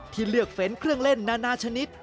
ที่เลือกเฟ้นเครื่องเล่นนานาชนิด